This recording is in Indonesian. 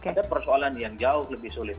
ada persoalan yang jauh lebih sulit